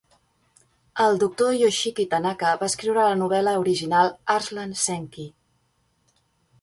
El doctor Yoshiki Tanaka va escriure la novel·la original, Arslan Senki.